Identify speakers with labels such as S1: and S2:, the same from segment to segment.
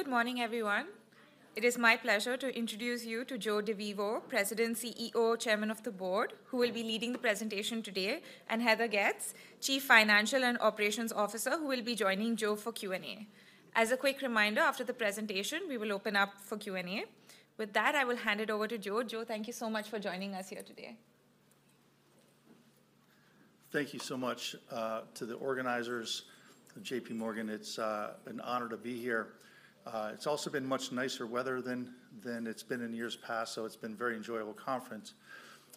S1: Good morning, everyone. It is my pleasure to introduce you to Joe DeVivo, President, CEO, Chairman of the Board, who will be leading the presentation today, and Heather Getz, Chief Financial and Operations Officer, who will be joining Joe for Q&A. As a quick reminder, after the presentation, we will open up for Q&A. With that, I will hand it over to Joe. Joe, thank you so much for joining us here today.
S2: Thank you so much to the organizers of J.P. Morgan. It's an honor to be here. It's also been much nicer weather than it's been in years past, so it's been a very enjoyable conference.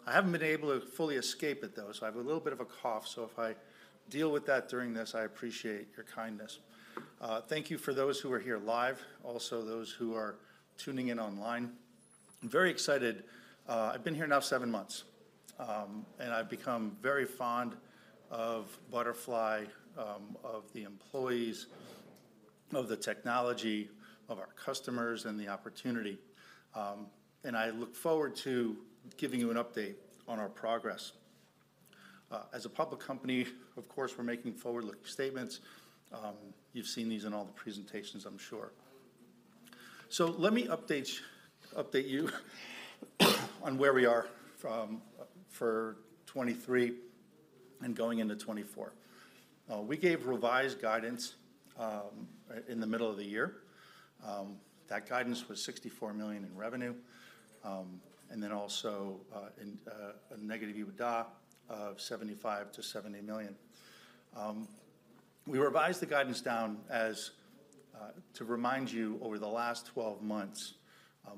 S2: I haven't been able to fully escape it, though, so I have a little bit of a cough. So if I deal with that during this, I appreciate your kindness. Thank you for those who are here live, also those who are tuning in online. I'm very excited. I've been here now seven months, and I've become very fond of Butterfly, of the employees, of the technology, of our customers, and the opportunity. And I look forward to giving you an update on our progress. As a public company, of course, we're making forward-looking statements. You've seen these in all the presentations, I'm sure. So let me update you on where we are for 2023 and going into 2024. We gave revised guidance in the middle of the year. That guidance was $64 million in revenue, and then also in a negative EBITDA of $75 million-$70 million. We revised the guidance down as to remind you, over the last 12 months,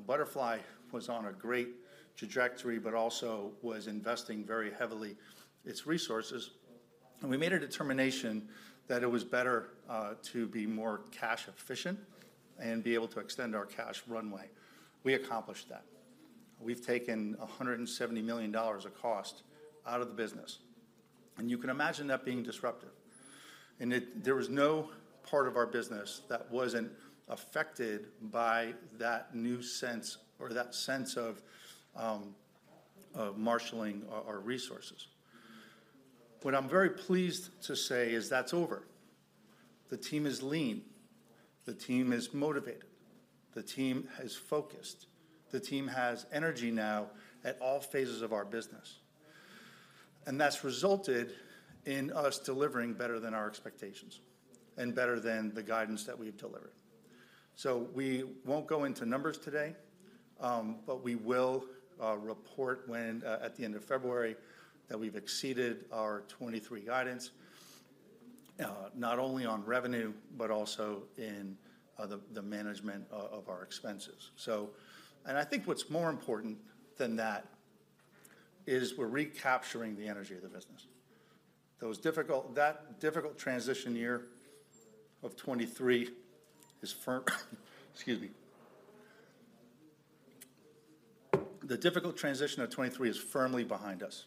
S2: Butterfly was on a great trajectory, but also was investing very heavily its resources. And we made a determination that it was better to be more cash efficient and be able to extend our cash runway. We accomplished that. We've taken $170 million of cost out of the business, and you can imagine that being disruptive. There was no part of our business that wasn't affected by that new sense or that sense of marshaling our, our resources. What I'm very pleased to say is that's over. The team is lean, the team is motivated, the team is focused, the team has energy now at all phases of our business, and that's resulted in us delivering better than our expectations and better than the guidance that we've delivered. So we won't go into numbers today, but we will report when at the end of February, that we've exceeded our 2023 guidance, not only on revenue, but also in the management of our expenses. And I think what's more important than that is we're recapturing the energy of the business. That difficult transition year of 2023 is firm-- Excuse me. The difficult transition of 2023 is firmly behind us.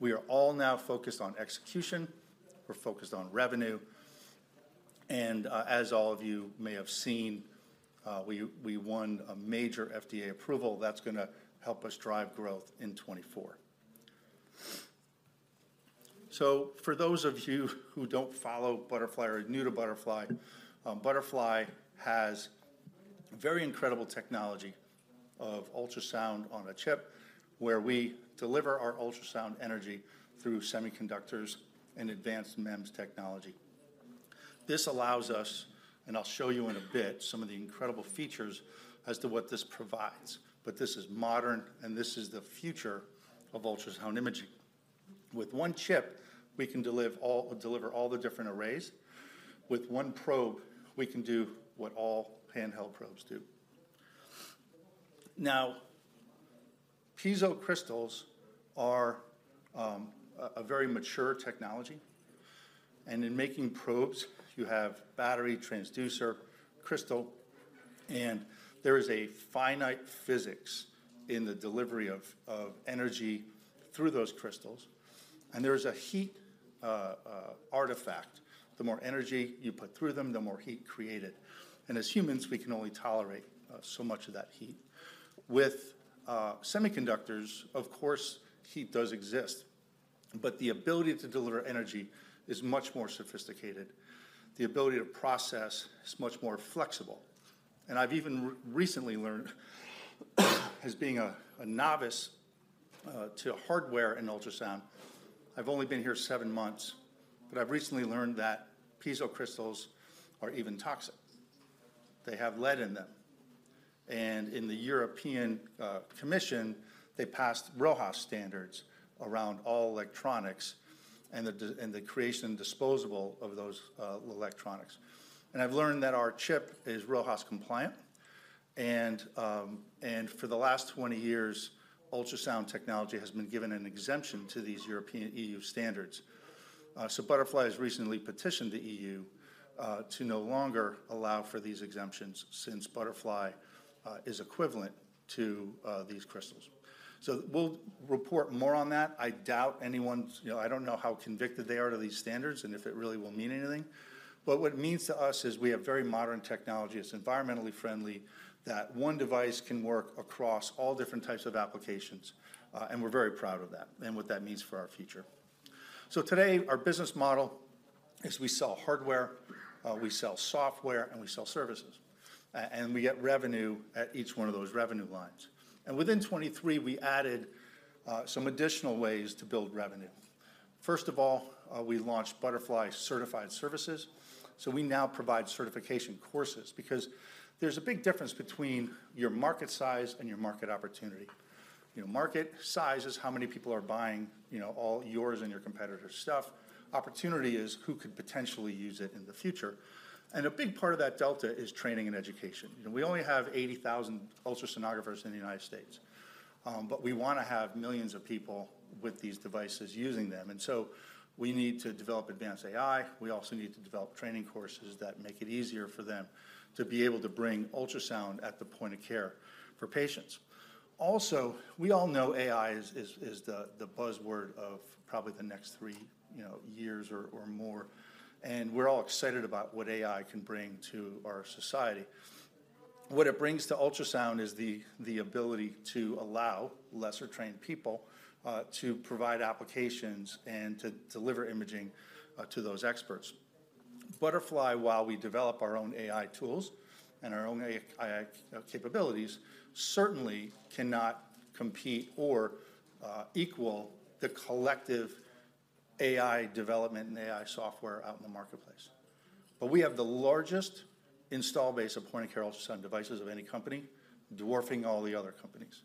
S2: We are all now focused on execution, we're focused on revenue, and, as all of you may have seen, we won a major FDA approval that's gonna help us drive growth in 2024. So for those of you who don't follow Butterfly or are new to Butterfly, Butterfly has very incredible technology of ultrasound on a chip, where we deliver our ultrasound energy through semiconductors and advanced MEMS technology. This allows us, and I'll show you in a bit, some of the incredible features as to what this provides, but this is modern, and this is the future of ultrasound imaging. With one chip, we can deliver all, deliver all the different arrays. With one probe, we can do what all handheld probes do. Now, piezo crystals are a very mature technology, and in making probes, you have battery, transducer, crystal, and there is a finite physics in the delivery of energy through those crystals, and there is a heat artifact. The more energy you put through them, the more heat created, and as humans, we can only tolerate so much of that heat. With semiconductors, of course, heat does exist, but the ability to deliver energy is much more sophisticated. The ability to process is much more flexible. And I've even recently learned, as being a novice to hardware in ultrasound, I've only been here seven months, but I've recently learned that piezo crystals are even toxic. They have lead in them. In the European Commission, they passed RoHS standards around all electronics and the design, creation, and disposal of those electronics. I've learned that our chip is RoHS compliant, and for the last 20 years, ultrasound technology has been given an exemption to these European EU standards. So Butterfly has recently petitioned the EU to no longer allow for these exemptions since Butterfly is equivalent to these crystals. We'll report more on that. I doubt anyone's... You know, I don't know how convicted they are to these standards and if it really will mean anything, but what it means to us is we have very modern technology that's environmentally friendly, that one device can work across all different types of applications, and we're very proud of that and what that means for our future. So today, our business model is we sell hardware, we sell software, and we sell services. And we get revenue at each one of those revenue lines. And within 2023, we added some additional ways to build revenue. First of all, we launched Butterfly Certified Services. So we now provide certification courses because there's a big difference between your market size and your market opportunity. You know, market size is how many people are buying, you know, all yours and your competitors' stuff. Opportunity is who could potentially use it in the future, and a big part of that delta is training and education. You know, we only have 80,000 ultrasonographers in the United States, but we wanna have millions of people with these devices using them, and so we need to develop advanced AI. We also need to develop training courses that make it easier for them to be able to bring ultrasound at the point-of-care for patients. Also, we all know AI is the buzzword of probably the next three, you know, years or more, and we're all excited about what AI can bring to our society. What it brings to ultrasound is the ability to allow lesser-trained people to provide applications and to deliver imaging to those experts. Butterfly, while we develop our own AI tools and our own AI capabilities, certainly cannot compete or equal the collective AI development and AI software out in the marketplace. But we have the largest install base of point-of-care ultrasound devices of any company, dwarfing all the other companies.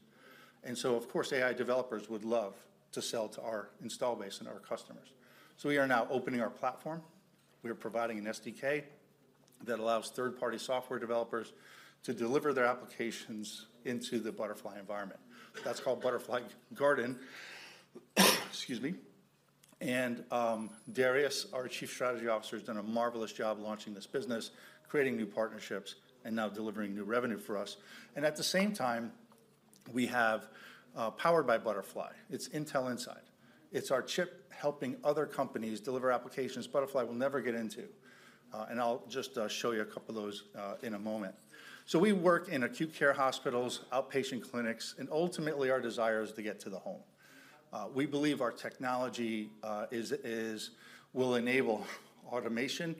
S2: And so, of course, AI developers would love to sell to our install base and our customers. We are now opening our platform. We are providing an SDK that allows third-party software developers to deliver their applications into the Butterfly environment. That's called Butterfly Garden. Excuse me. Darius, our Chief Strategy Officer, has done a marvelous job launching this business, creating new partnerships, and now delivering new revenue for us. At the same time, we have, Powered by Butterfly. It's Intel Inside. It's our chip helping other companies deliver applications Butterfly will never get into, and I'll just, show you a couple of those, in a moment. We work in acute care hospitals, outpatient clinics, and ultimately, our desire is to get to the home. We believe our technology will enable automation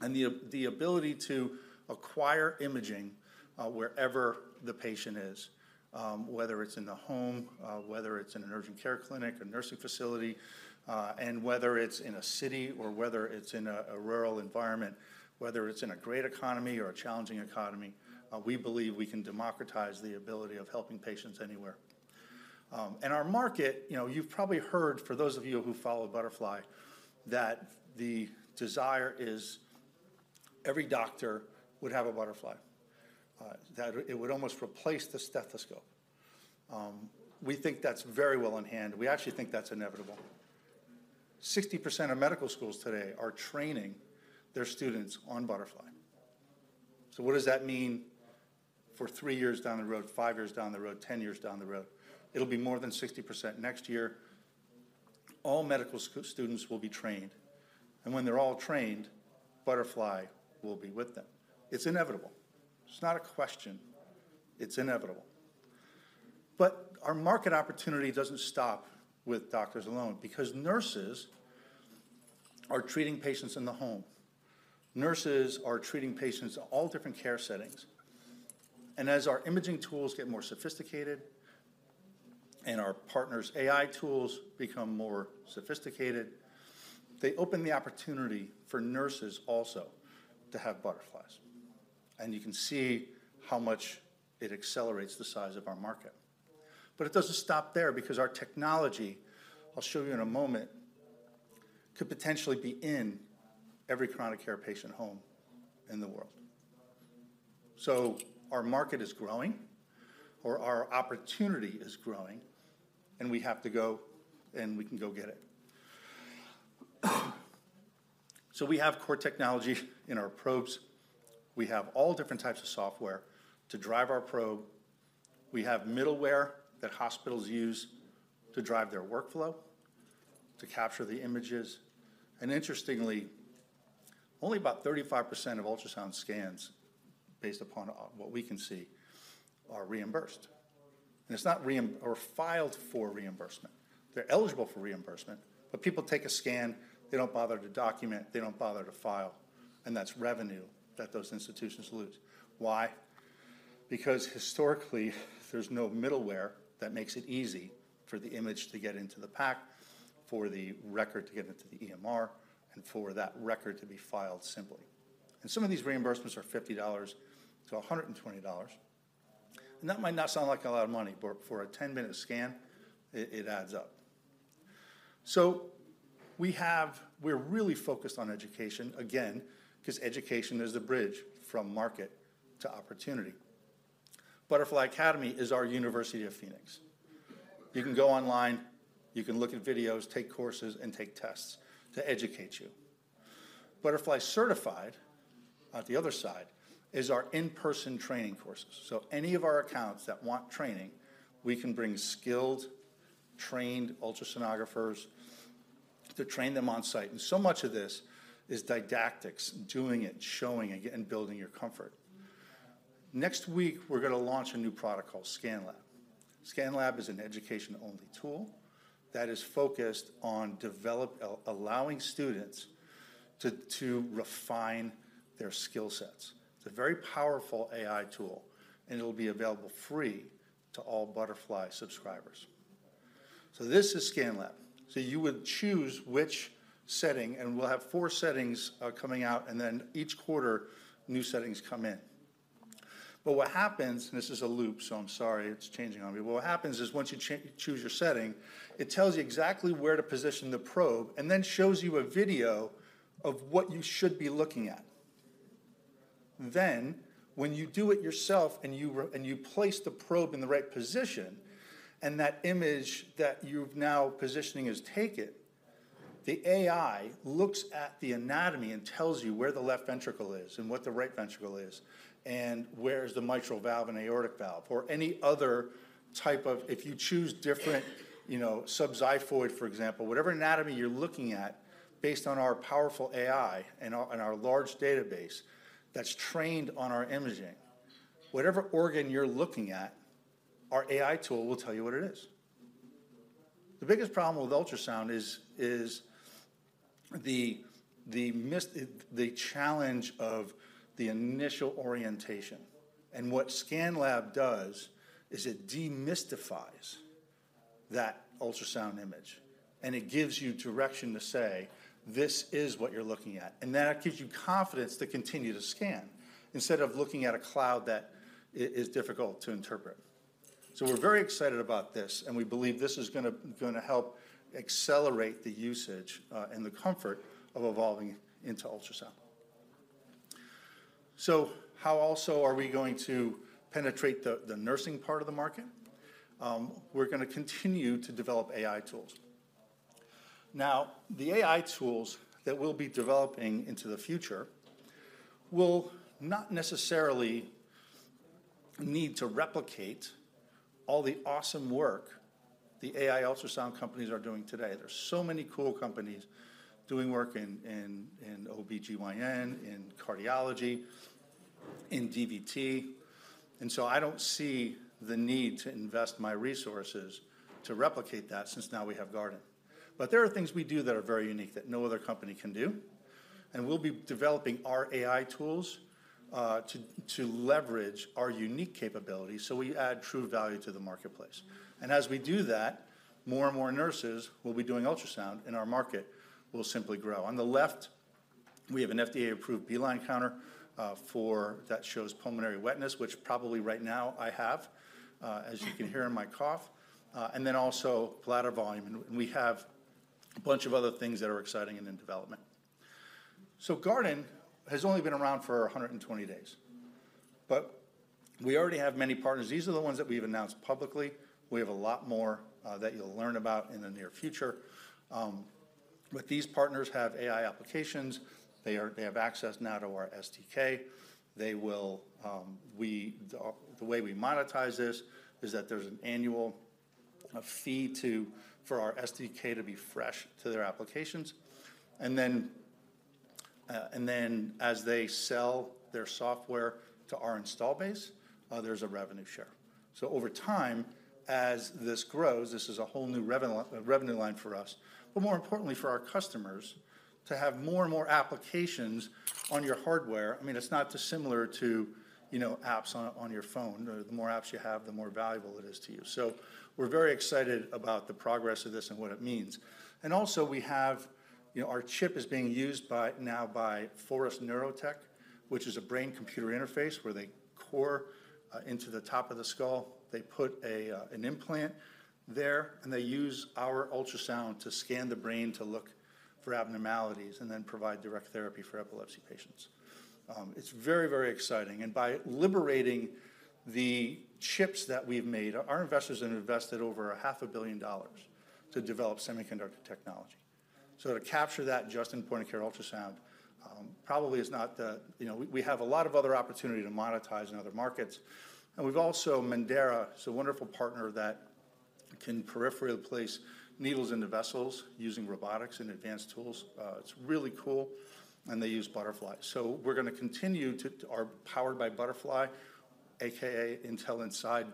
S2: and the ability to acquire imaging wherever the patient is, whether it's in the home, whether it's in an urgent care clinic, a nursing facility, and whether it's in a city or whether it's in a rural environment. Whether it's in a great economy or a challenging economy, we believe we can democratize the ability of helping patients anywhere. And our market, you know, you've probably heard, for those of you who follow Butterfly, that the desire is every doctor would have a Butterfly, that it would almost replace the stethoscope. We think that's very well in hand. We actually think that's inevitable. 60% of medical schools today are training their students on Butterfly. So what does that mean for three years down the road, five years down the road, 10 years down the road? It'll be more than 60%. Next year, all medical students will be trained, and when they're all trained, Butterfly will be with them. It's inevitable. It's not a question. It's inevitable. But our market opportunity doesn't stop with doctors alone because nurses are treating patients in the home. Nurses are treating patients in all different care settings, and as our imaging tools get more sophisticated and our partners' AI tools become more sophisticated, they open the opportunity for nurses also to have Butterflies. And you can see how much it accelerates the size of our market. But it doesn't stop there because our technology, I'll show you in a moment, could potentially be in every chronic care patient home in the world. So our market is growing, or our opportunity is growing, and we have to go, and we can go get it. So we have core technology in our probes. We have all different types of software to drive our probe. We have middleware that hospitals use to drive their workflow, to capture the images, and interestingly, only about 35% of ultrasound scans, based upon what we can see, are reimbursed. And it's not reimbursed or filed for reimbursement. They're eligible for reimbursement, but people take a scan, they don't bother to document, they don't bother to file, and that's revenue that those institutions lose. Why? Because historically, there's no middleware that makes it easy for the image to get into the PACS, for the record to get into the EMR, and for that record to be filed simply. Some of these reimbursements are $50-$120, and that might not sound like a lot of money, but for a 10-minute scan, it adds up. So we're really focused on education, again, 'cause education is the bridge from market to opportunity. Butterfly Academy is our University of Phoenix. You can go online, you can look at videos, take courses, and take tests to educate you. Butterfly Certified, the other side, is our in-person training courses. So any of our accounts that want training, we can bring skilled, trained ultrasonographers to train them on-site. And so much of this is didactics, doing it, showing it, and building your comfort. Next week, we're gonna launch a new product called ScanLab. ScanLab is an education-only tool that is focused on allowing students to refine their skill sets. It's a very powerful AI tool, and it'll be available free to all Butterfly subscribers. So this is ScanLab. So you would choose which setting, and we'll have four settings coming out, and then each quarter, new settings come in. But what happens, and this is a loop, so I'm sorry, it's changing on me. But what happens is, once you choose your setting, it tells you exactly where to position the probe, and then shows you a video of what you should be looking at. Then, when you do it yourself, and you place the probe in the right position, and that image that you've now positioning is taken, the AI looks at the anatomy and tells you where the left ventricle is, and what the right ventricle is, and where is the mitral valve and aortic valve, or any other type of if you choose different, you know, subxiphoid, for example, whatever anatomy you're looking at, based on our powerful AI and our large database that's trained on our imaging, whatever organ you're looking at, our AI tool will tell you what it is. The biggest problem with ultrasound is the challenge of the initial orientation, and what ScanLab does is it demystifies that ultrasound image, and it gives you direction to say, "This is what you're looking at." And that gives you confidence to continue to scan instead of looking at a cloud that is difficult to interpret. So we're very excited about this, and we believe this is gonna help accelerate the usage and the comfort of evolving into ultrasound. So how also are we going to penetrate the nursing part of the market? We're gonna continue to develop AI tools. Now, the AI tools that we'll be developing into the future will not necessarily need to replicate all the awesome work the AI ultrasound companies are doing today. There's so many cool companies doing work in, in, in OBGYN, in cardiology, in DVT, and so I don't see the need to invest my resources to replicate that, since now we have Garden. But there are things we do that are very unique that no other company can do, and we'll be developing our AI tools, to, to leverage our unique capabilities, so we add true value to the marketplace. And as we do that, more and more nurses will be doing ultrasound, and our market will simply grow. On the left, we have an FDA-approved B-line counter for that shows pulmonary wetness, which probably right now I have, as you can hear in my cough, and then also bladder volume. We have a bunch of other things that are exciting and in development. So Garden has only been around for 120 days, but we already have many partners. These are the ones that we've announced publicly. We have a lot more that you'll learn about in the near future. But these partners have AI applications. They have access now to our SDK. The way we monetize this is that there's an annual fee for our SDK to be fresh to their applications. And then, as they sell their software to our install base, there's a revenue share. So over time, as this grows, this is a whole new revenue line for us, but more importantly, for our customers, to have more and more applications on your hardware. I mean, it's not dissimilar to, you know, apps on, on your phone. The more apps you have, the more valuable it is to you. So we're very excited about the progress of this and what it means. And also, we have, you know, our chip is being used by, now by Forest Neurotech, which is a brain-computer interface where they core into the top of the skull. They put an implant there, and they use our ultrasound to scan the brain to look for abnormalities and then provide direct therapy for epilepsy patients. It's very, very exciting, and by liberating the chips that we've made, our investors have invested over $500 million to develop semiconductor technology. So to capture that just in point-of-care ultrasound, probably is not the- You know, we, we have a lot of other opportunity to monetize in other markets, and we've also, Mendaera is a wonderful partner that can peripherally place needles into vessels using robotics and advanced tools. It's really cool, and they use Butterfly. So we're gonna continue to, our Powered by Butterfly, AKA Intel Inside,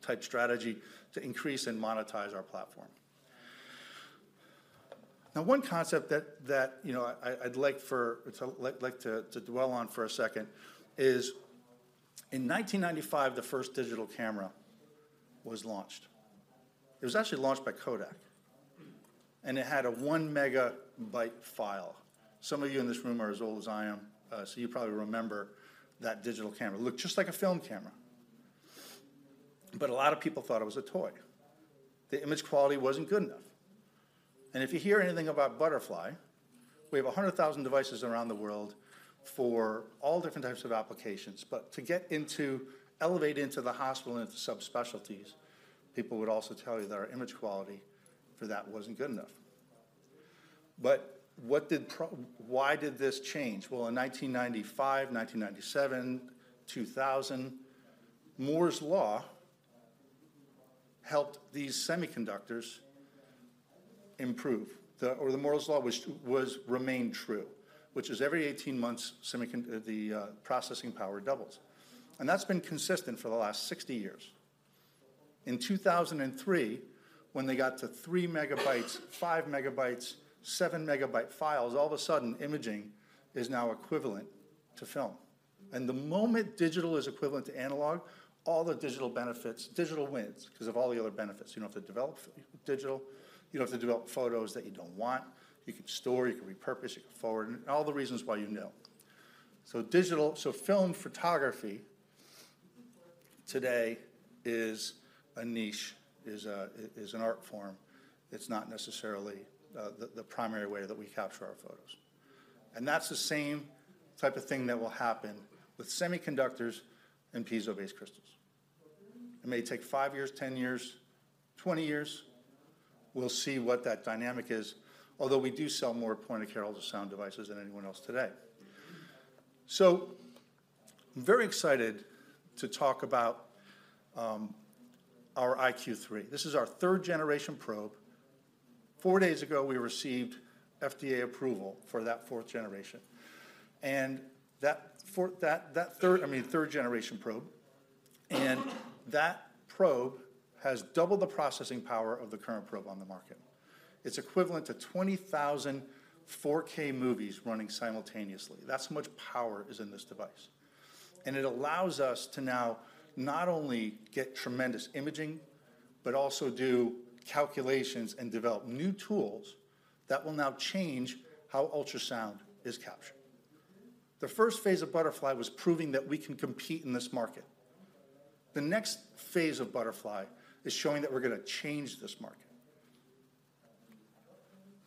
S2: type strategy, to increase and monetize our platform. Now, one concept that you know, I'd like to dwell on for a second is: in 1995, the first digital camera was launched. It was actually launched by Kodak, and it had a 1 MB file. Some of you in this room are as old as I am, so you probably remember that digital camera. It looked just like a film camera, but a lot of people thought it was a toy. The image quality wasn't good enough, and if you hear anything about Butterfly, we have 100,000 devices around the world for all different types of applications, but to elevate into the hospital and into subspecialties, people would also tell you that our image quality for that wasn't good enough. But why did this change? Well, in 1995, 1997, 2000, Moore's Law helped these semiconductors improve. Or the Moore's Law, which was remained true, which is every 18 months, the processing power doubles, and that's been consistent for the last 60 years. In 2003, when they got to 3 MB, 5 MB, 7 MB files, all of a sudden, imaging is now equivalent to film, and the moment digital is equivalent to analog, all the digital benefits- digital wins 'cause of all the other benefits. You don't have to develop digital. You don't have to develop photos that you don't want. You can store, you can repurpose, you can forward, and all the reasons why you know. So digital- so film photography today is a niche, is an art form. It's not necessarily the primary way that we capture our photos, and that's the same type of thing that will happen with semiconductors and piezo-based crystals. It may take five years, 10 years, 20 years. We'll see what that dynamic is, although we do sell more point-of-care ultrasound devices than anyone else today. So I'm very excited to talk about our iQ3. This is our third-generation probe. Four days ago, we received FDA approval for that fourth generation, and that fourth, I mean, third-generation probe, and that probe has double the processing power of the current probe on the market. It's equivalent to 20,000 4K movies running simultaneously. That's how much power is in this device, and it allows us to now not only get tremendous imaging but also do calculations and develop new tools that will now change how ultrasound is captured. The first phase of Butterfly was proving that we can compete in this market. The next phase of Butterfly is showing that we're gonna change this market.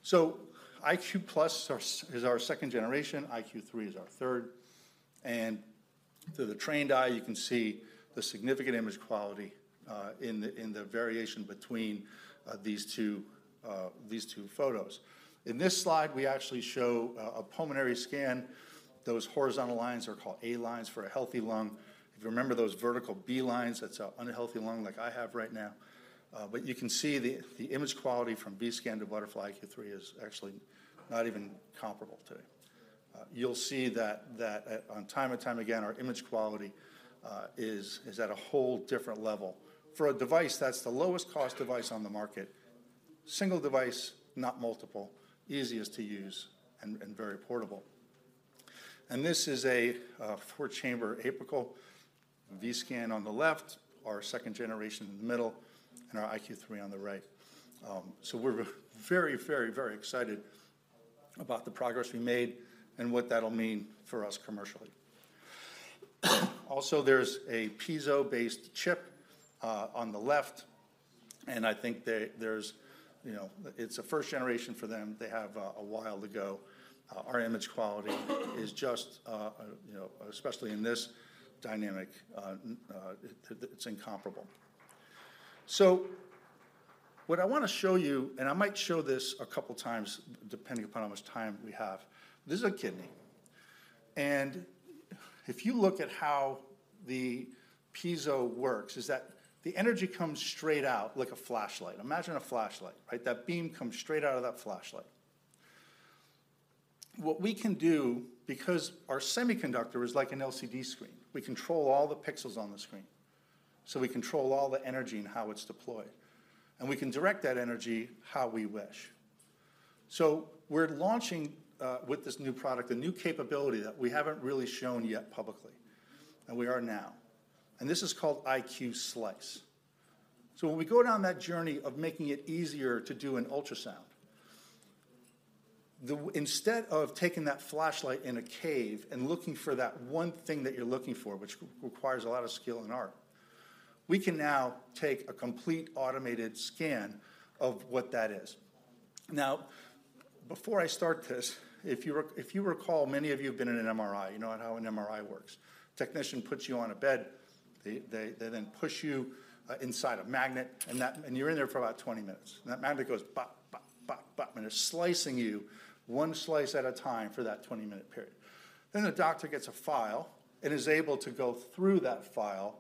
S2: So iQ+ is our second generation, iQ3 is our third, and to the trained eye, you can see the significant image quality in the variation between these two photos. In this slide, we actually show a pulmonary scan. Those horizontal lines are called A-lines for a healthy lung. If you remember those vertical B-lines, that's an unhealthy lung like I have right now, but you can see the image quality from Vscan to Butterfly iQ3 is actually not even comparable today. You'll see that on time and time again, our image quality is at a whole different level. For a device that's the lowest-cost device on the market. Single device, not multiple, easiest to use, and very portable. This is a four-chamber apical Vscan on the left, our second generation in the middle, and our iQ3 on the right. So we're very, very, very excited about the progress we made and what that'll mean for us commercially. Also, there's a piezo-based chip on the left, and I think there's, you know, it's a first generation for them. They have a while to go. Our image quality is just, you know, especially in this dynamic, it, it's incomparable. So what I wanna show you, and I might show this a couple times, depending upon how much time we have, this is a kidney, and if you look at how the piezo works, is that the energy comes straight out like a flashlight. Imagine a flashlight, right? That beam comes straight out of that flashlight. What we can do, because our semiconductor is like an LCD screen, we control all the pixels on the screen, so we control all the energy and how it's deployed, and we can direct that energy how we wish. So we're launching with this new product, a new capability that we haven't really shown yet publicly, and we are now, and this is called iQ Slice. So when we go down that journey of making it easier to do an ultrasound, instead of taking that flashlight in a cave and looking for that one thing that you're looking for, which requires a lot of skill and art, we can now take a complete automated scan of what that is. Now, before I start this, if you recall, many of you have been in an MRI. You know how an MRI works. Technician puts you on a bed, they then push you inside a magnet, and you're in there for about 20 minutes. That magnet goes bop, bop, bop, bop, and they're slicing you one slice at a time for that 20-minute period. Then, the doctor gets a file and is able to go through that file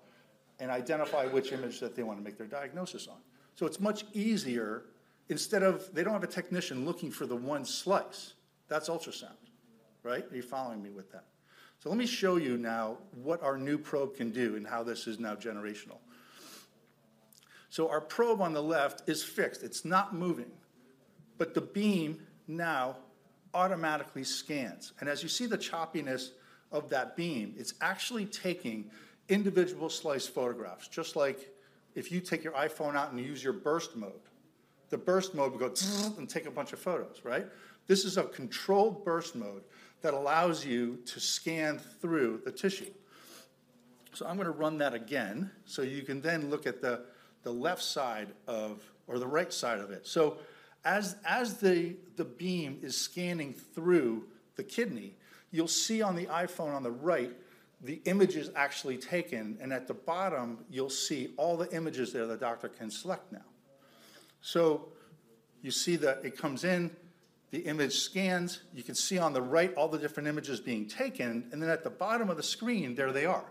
S2: and identify which image that they wanna make their diagnosis on. So it's much easier. Instead of... They don't have a technician looking for the one slice. That's ultrasound, right? Are you following me with that? So let me show you now what our new probe can do and how this is now generational. So our probe on the left is fixed. It's not moving, but the beam now automatically scans, and as you see the choppiness of that beam, it's actually taking individual slice photographs, just like if you take your iPhone out and use your burst mode. The burst mode will go, "Tss," and take a bunch of photos, right? This is a controlled burst mode that allows you to scan through the tissue. So I'm gonna run that again, so you can then look at the left side or the right side of it. So as the beam is scanning through the kidney, you'll see on the iPhone on the right, the image is actually taken, and at the bottom, you'll see all the images there the doctor can select from. So you see that it comes in, the image scans. You can see on the right all the different images being taken, and then at the bottom of the screen, there they are.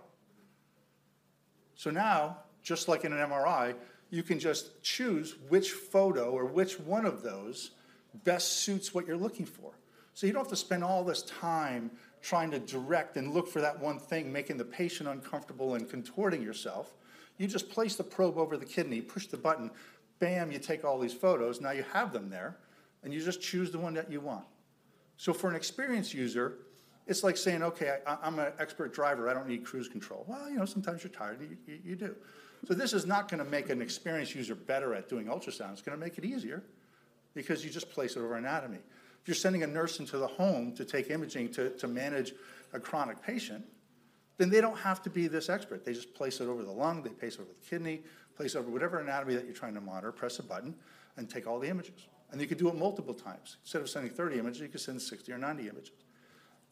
S2: So now, just like in an MRI, you can just choose which photo or which one of those best suits what you're looking for. So you don't have to spend all this time trying to direct and look for that one thing, making the patient uncomfortable and contorting yourself. You just place the probe over the kidney, push the button, bam, you take all these photos. Now, you have them there, and you just choose the one that you want. So for an experienced user, it's like saying, "Okay, I'm an expert driver. I don't need cruise control." Well, you know, sometimes you're tired, you do. So this is not gonna make an experienced user better at doing ultrasound. It's gonna make it easier because you just place it over anatomy. If you're sending a nurse into the home to take imaging to manage a chronic patient, then they don't have to be this expert. They just place it over the lung, they place it over the kidney, place it over whatever anatomy that you're trying to monitor, press a button, and take all the images. They could do it multiple times. Instead of sending 30 images, you could send 60 or 90 images.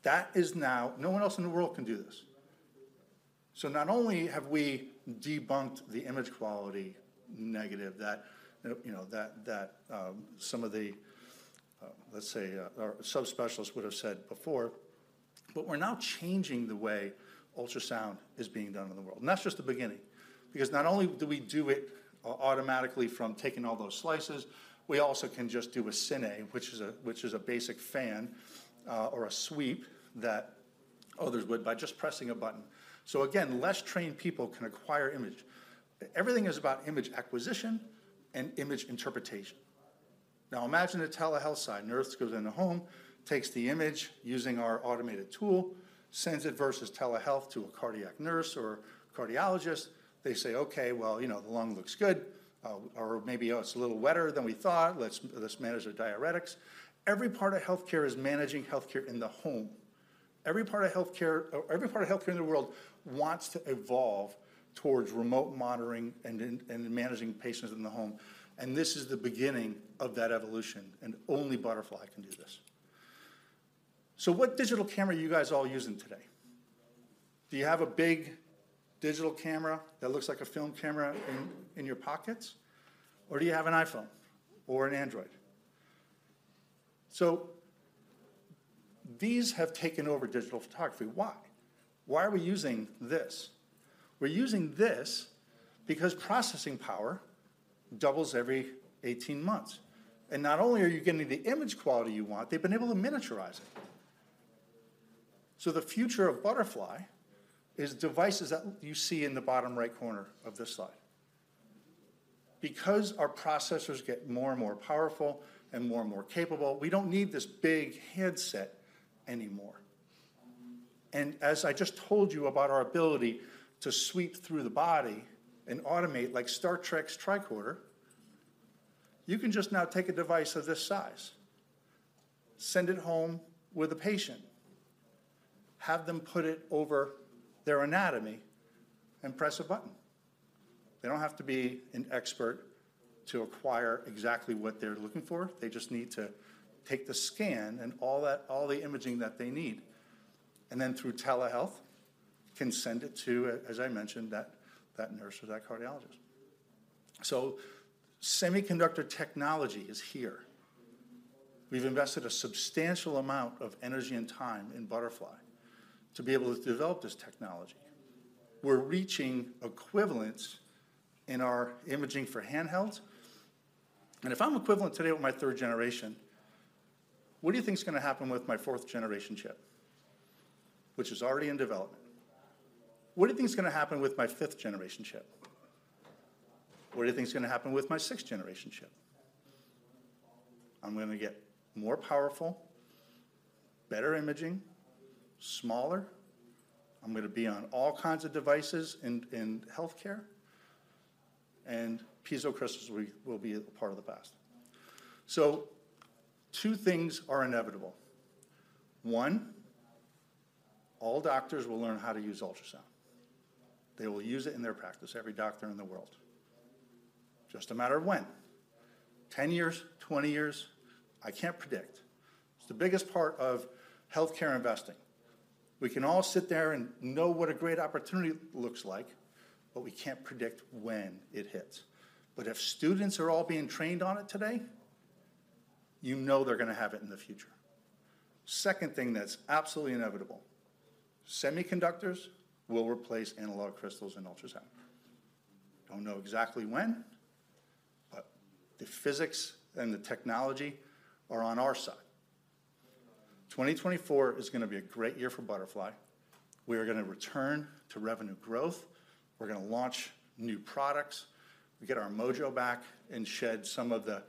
S2: That is now—no one else in the world can do this. So not only have we debunked the image quality negative that, you know, that some of the, let's say, our subspecialists would have said before, but we're now changing the way ultrasound is being done in the world. And that's just the beginning, because not only do we do it automatically from taking all those slices, we also can just do a cine, which is a basic fan, or a sweep that others would by just pressing a button. So again, less trained people can acquire image. Everything is about image acquisition and image interpretation. Now, imagine a telehealth side. Nurse goes in the home, takes the image using our automated tool, sends it versus telehealth to a cardiac nurse or cardiologist. They say, "Okay, well, you know, the lung looks good," or, "Maybe it's a little wetter than we thought. Let's manage the diuretics." Every part of healthcare is managing healthcare in the home. Every part of healthcare, every part of healthcare in the world wants to evolve towards remote monitoring and managing patients in the home, and this is the beginning of that evolution, and only Butterfly can do this. So what digital camera are you guys all using today? Do you have a big digital camera that looks like a film camera in your pockets, or do you have an iPhone or an Android? So these have taken over digital photography. Why? Why are we using this? We're using this because processing power doubles every 18 months, and not only are you getting the image quality you want, they've been able to miniaturize it. So the future of Butterfly is devices that you see in the bottom right corner of this slide. Because our processors get more and more powerful and more and more capable, we don't need this big headset anymore. As I just told you about our ability to sweep through the body and automate, like Star Trek's tricorder, you can just now take a device of this size, send it home with a patient, have them put it over their anatomy, and press a button. They don't have to be an expert to acquire exactly what they're looking for. They just need to take the scan and all that, all the imaging that they need, and then through telehealth, can send it to, as I mentioned, that nurse or that cardiologist. Semiconductor technology is here. We've invested a substantial amount of energy and time in Butterfly to be able to develop this technology. We're reaching equivalence in our imaging for handhelds, and if I'm equivalent today with my third generation, what do you think is gonna happen with my fourth generation chip, which is already in development? What do you think is gonna happen with my fifth generation chip? What do you think is gonna happen with my sixth generation chip? I'm gonna get more powerful, better imaging, smaller. I'm gonna be on all kinds of devices in healthcare, and Piezo crystals will be a part of the past. So two things are inevitable. One, all doctors will learn how to use ultrasound. They will use it in their practice, every doctor in the world. Just a matter of when. 10 years, 20 years, I can't predict. It's the biggest part of healthcare investing. We can all sit there and know what a great opportunity looks like, but we can't predict when it hits. But if students are all being trained on it today, you know they're gonna have it in the future. Second thing that's absolutely inevitable, semiconductors will replace analog crystals in ultrasound. Don't know exactly when, but the physics and the technology are on our side. 2024 is gonna be a great year for Butterfly. We are gonna return to revenue growth. We're gonna launch new products, get our mojo back, and shed some of the,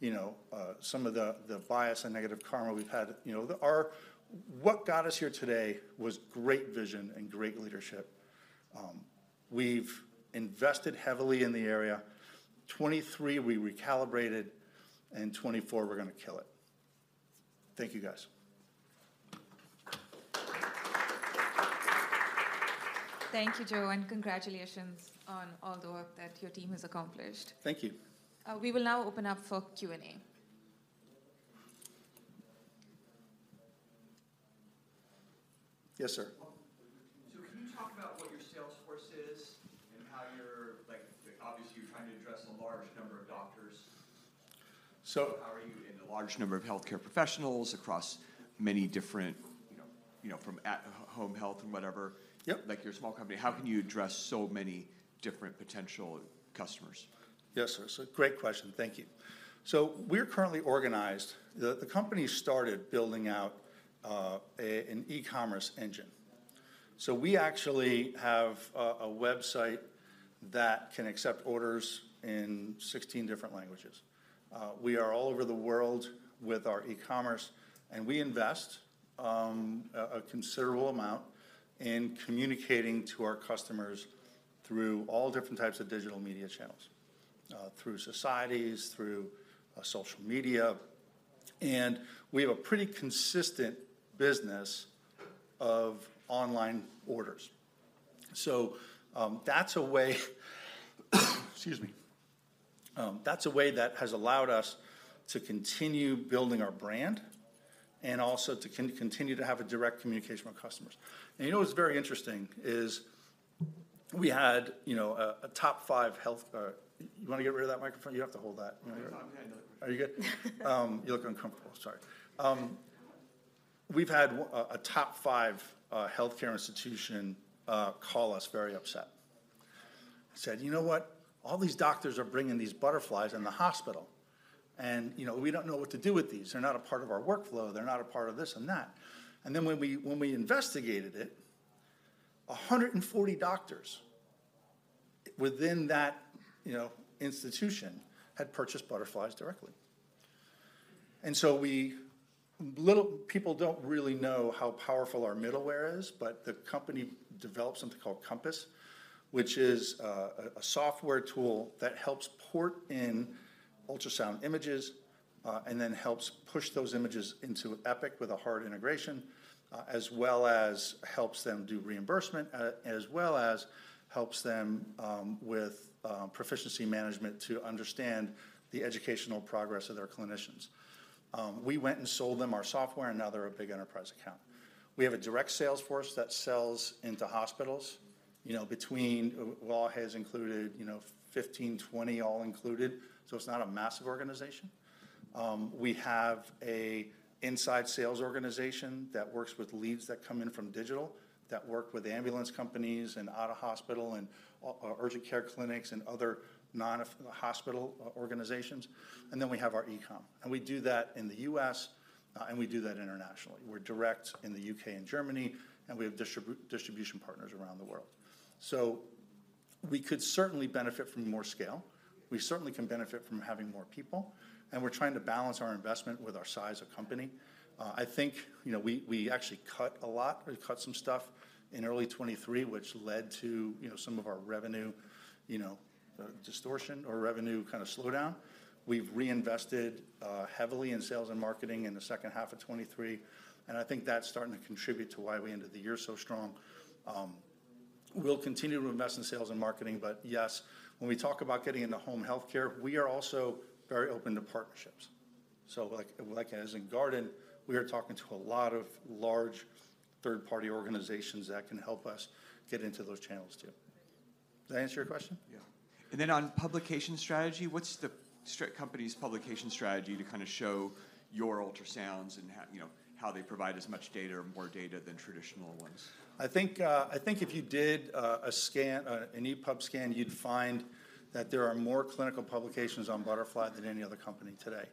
S2: you know, some of the bias and negative karma we've had. You know, what got us here today was great vision and great leadership. We've invested heavily in the area. 2023, we recalibrated, in 2024, we're gonna kill it. Thank you, guys.
S1: Thank you, Joe, and congratulations on all the work that your team has accomplished.
S2: Thank you.
S1: We will now open up for Q&A.
S2: Yes, sir?
S3: Can you talk about what your sales force is and how you're—like, obviously, you're trying to address a large number of doctors?
S2: So-
S3: How are you in a large number of healthcare professionals across many different, you know, you know, from at home health and whatever?
S2: Yep.
S3: Like you're a small company, how can you address so many different potential customers?
S2: Yes, sir. It's a great question. Thank you. So we're currently organized. The company started building out an e-commerce engine. So we actually have a website that can accept orders in 16 different languages. We are all over the world with our e-commerce, and we invest a considerable amount in communicating to our customers through all different types of digital media channels, through societies, through social media, and we have a pretty consistent business of online orders. So that's a way that has allowed us to continue building our brand and also to continue to have a direct communication with customers. And you know what's very interesting is we had, you know, a top five health. You wanna get rid of that microphone? You have to hold that.
S3: Yeah, I'm handling it.
S2: Are you good? You look uncomfortable. Sorry. We've had a top five healthcare institution call us very upset. Said, "You know what? All these doctors are bringing these butterflies in the hospital, and, you know, we don't know what to do with these. They're not a part of our workflow. They're not a part of this and that." And then when we investigated it, 140 doctors within that, you know, institution had purchased butterflies directly. People don't really know how powerful our middleware is, but the company developed something called Compass, which is a software tool that helps port in ultrasound images, and then helps push those images into Epic with a hard integration, as well as helps them do reimbursement, as well as helps them with proficiency management to understand the educational progress of their clinicians. We went and sold them our software, and now they're a big enterprise account. We have a direct sales force that sells into hospitals, you know, between 15 and 20, all included, so it's not a massive organization. We have an inside sales organization that works with leads that come in from digital, that work with ambulance companies and out-of-hospital and urgent care clinics and other non-hospital organizations, and then we have our e-com. And we do that in the U.S., and we do that internationally. We're direct in the U.K. and Germany, and we have distribution partners around the world. So we could certainly benefit from more scale. We certainly can benefit from having more people, and we're trying to balance our investment with our size of company. I think, you know, we actually cut a lot. We cut some stuff in early 2023, which led to, you know, some of our revenue, you know, distortion or revenue kind of slowdown. We've reinvested heavily in sales and marketing in the second half of 2023, and I think that's starting to contribute to why we ended the year so strong. We'll continue to invest in sales and marketing, but yes, when we talk about getting into home healthcare, we are also very open to partnerships. So like, like as in Garden, we are talking to a lot of large third-party organizations that can help us get into those channels too. Did I answer your question?
S3: Yeah. Then on publication strategy, what's the company's publication strategy to kind of show your ultrasounds and how, you know, how they provide as much data or more data than traditional ones?
S2: I think, I think if you did a scan, a PubMed scan, you'd find that there are more clinical publications on Butterfly than any other company today.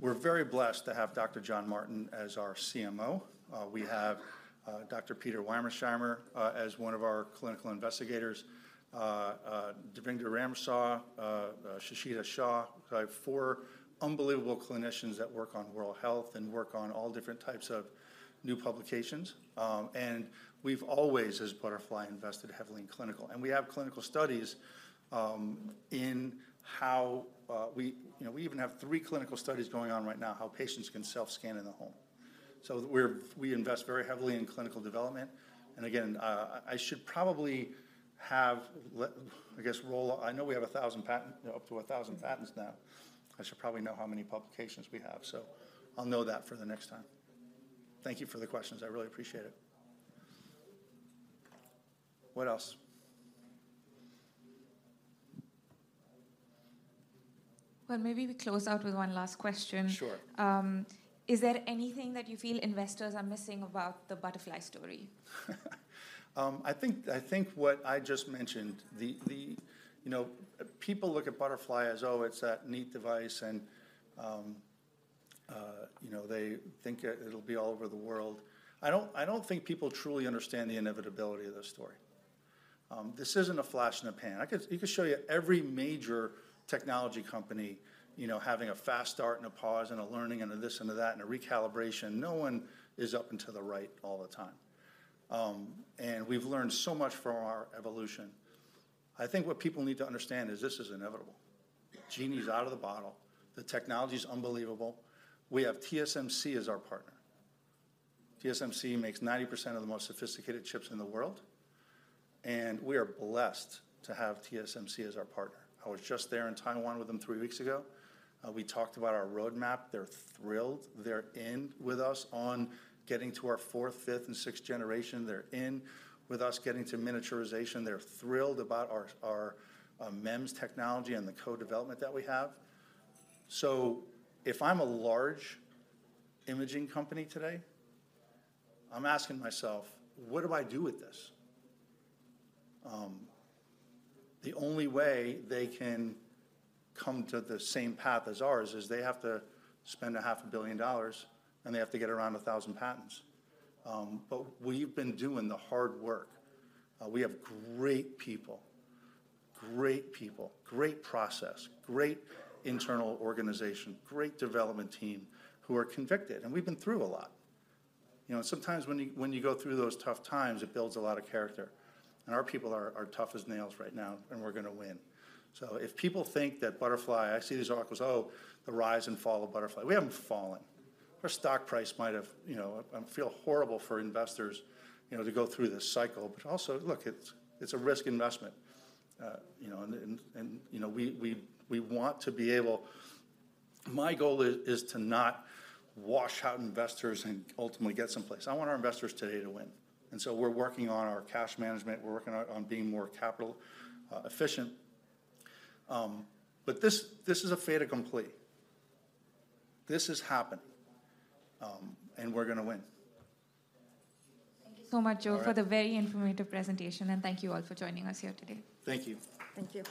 S2: We're very blessed to have Dr. John Martin as our CMO. We have Dr. Peter Weimersheimer as one of our clinical investigators, Davinder Ramsingh, Sachita Shah. So I have four unbelievable clinicians that work on rural health and work on all different types of new publications. And we've always, as Butterfly, invested heavily in clinical, and we have clinical studies in how we. You know, we even have three clinical studies going on right now, how patients can self-scan in the home. So we invest very heavily in clinical development, and again, I should probably have let- I guess, roll... I know we have 1,000 patents now. I should probably know how many publications we have, so I'll know that for the next time. Thank you for the questions. I really appreciate it. What else?
S1: Well, maybe we close out with one last question.
S2: Sure.
S1: Is there anything that you feel investors are missing about the Butterfly story?
S2: I think what I just mentioned, you know, people look at Butterfly as, oh, it's that neat device, and, you know, they think it'll be all over the world. I don't think people truly understand the inevitability of this story. This isn't a flash in the pan. You could show every major technology company, you know, having a fast start and a pause and a learning and a this and a that and a recalibration. No one is up and to the right all the time. And we've learned so much from our evolution. I think what people need to understand is this is inevitable. Genie's out of the bottle. The technology's unbelievable. We have TSMC as our partner. TSMC makes 90% of the most sophisticated chips in the world, and we are blessed to have TSMC as our partner. I was just there in Taiwan with them three weeks ago. We talked about our roadmap. They're thrilled. They're in with us on getting to our fourth, fifth, and sixth generation. They're in with us getting to miniaturization. They're thrilled about our MEMS technology and the co-development that we have. So if I'm a large imaging company today, I'm asking myself, "What do I do with this?" The only way they can come to the same path as ours is they have to spend $500 million, and they have to get around 1,000 patents. But we've been doing the hard work. We have great people, great people, great process, great internal organization, great development team who are convicted, and we've been through a lot. You know, sometimes when you go through those tough times, it builds a lot of character, and our people are tough as nails right now, and we're gonna win. So if people think that Butterfly... I see these articles, "Oh, the rise and fall of Butterfly." We haven't fallen. Our stock price might have, you know... I feel horrible for investors, you know, to go through this cycle, but also, look, it's a risk investment. You know, and we want to be able—My goal is to not wash out investors and ultimately get some place. I want our investors today to win, and so we're working on our cash management. We're working on being more capital efficient. But this is a fait accompli. This has happened, and we're gonna win.
S1: Thank you so much, Joe.
S2: All right.
S1: For the very informative presentation, and thank you all for joining us here today.
S2: Thank you.
S4: Thank you.